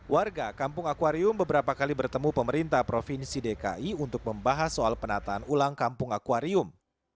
warga kampung akwarium beberapa kali bertemu pemerintah provinsi dki untuk membahas soal penataan ulang kampung akwarium